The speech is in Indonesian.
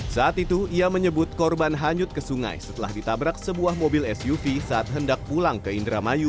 saat itu ia menyebut korban hanyut ke sungai setelah ditabrak sebuah mobil suv saat hendak pulang ke indramayu